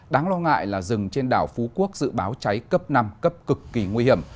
đáng lo ngại là rừng trên đảo phú quốc dự báo cháy cấp năm cấp cực kỳ nguy hiểm